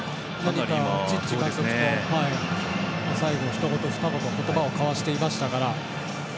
チッチ監督と最後、ひと言、ふた言言葉を交わしていましたから。